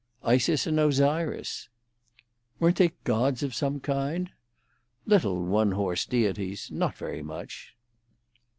"Isis and Osiris." "Weren't they gods of some kind?" "Little one horse deities—not very much."